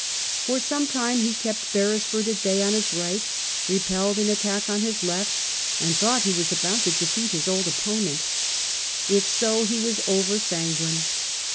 For some time he kept Beresf ord at bay on his right, repelled an attack on his left, and thought he was about to defeat his old opponent. If so, he was over sanguine.